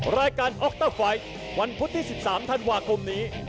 รายการออกเตอร์ไฟวันพุธที่๑๓ธันวาคมนี้